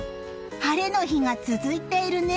晴れの日が続いているね。